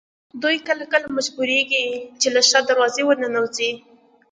دوی کله کله مجبورېږي چې له شا دروازې ورننوځي.